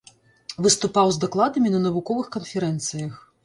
Выступаў з дакладамі на навуковых канферэнцыях.